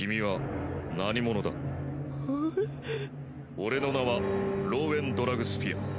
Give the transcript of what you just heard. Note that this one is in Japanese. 俺の名はローウェン・ドラグスピア。